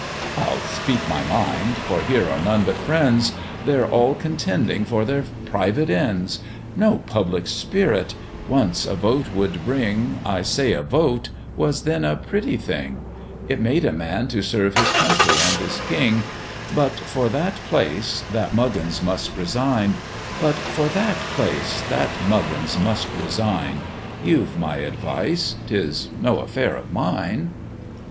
"I'll speak my mind, for here are none but friends: They're all contending for their private ends; No public spirit once a vote would bring, I say a vote was then a pretty thing; It made a man to serve his country and his king: But for that place, that Muggins must resign, You've my advice 'tis no affair of mine."